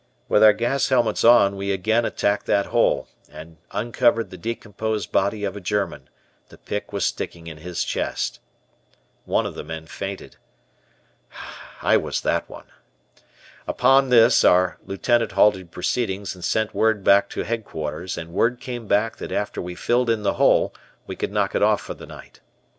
With our gas helmets on we again attacked that hole and uncovered the decomposed body of a German; the pick was sticking in his chest. One of the men fainted. I was that one. Upon this our Lieutenant halted proceedings and sent word back to headquarters and word came back that after we filled in the hole we could knock off for the night.